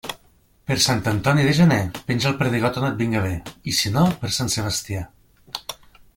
Per Sant Antoni de Gener, penja el perdigot on et vinga bé, i si no, per Sant Sebastià.